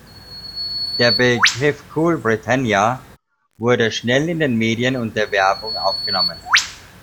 Der Begriff Cool Britannia wurde schnell in den Medien und der Werbung aufgenommen.